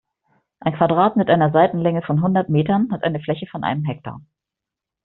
Ein Quadrat mit einer Seitenlänge von hundert Metern hat eine Fläche von einem Hektar.